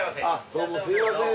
どうもすいません